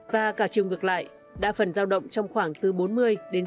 và cả chiều ngược lại đã phần giao động trong khoảng từ bốn mươi đến sáu mươi